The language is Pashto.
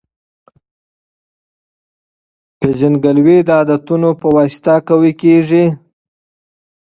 هویت د عادتونو په واسطه قوي کیږي.